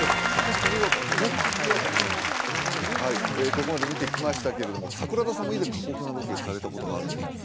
見事でしたねお見事はいここまで見てきましたけれども桜田さんも以前過酷なロケされたことがあるんですって？